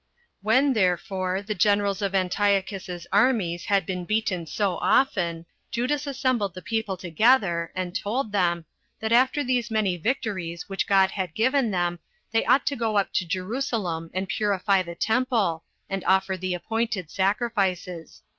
6. When therefore the generals of Antiochus's armies had been beaten so often, Judas assembled the people together, and told them, that after these many victories which God had given them, they ought to go up to Jerusalem, and purify the temple, and offer the appointed sacrifices.